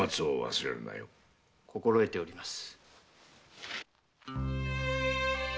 心得ております。